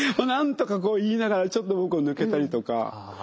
なんとかこう言いながらちょっと僕も抜けたりとか。